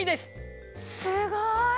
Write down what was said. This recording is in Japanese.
すごい！